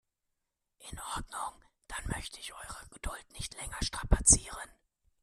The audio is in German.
In Ordnung, dann möchte ich eure Geduld nicht länger strapazieren.